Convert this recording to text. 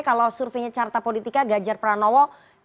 kalau surveinya carta politica gajar pranowo tiga puluh tiga